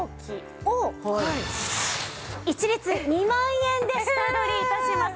一律２万円で下取り致します。